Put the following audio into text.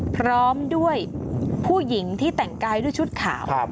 พร้อมด้วยผู้หญิงที่แต่งกายด้วยชุดขาว